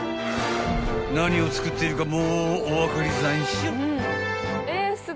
［何を作っているかもうお分かりざんしょ？］